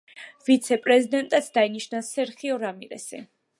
ვიცე-პრეზიდენტად დაინიშნა სერხიო რამირესი.